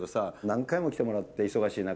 何回も来てもらって忙しい中。